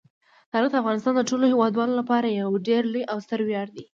تاریخ د افغانستان د ټولو هیوادوالو لپاره یو ډېر لوی او ستر ویاړ دی.